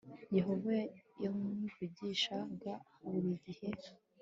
yehova yamuvugishaga buri gihe